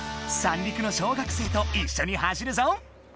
三陸の小学生と一緒に走るぞ！